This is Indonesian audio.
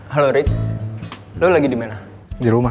harusnya aku pergi ke rumah